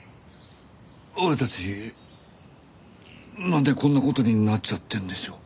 俺たちなんでこんな事になっちゃってるんでしょう？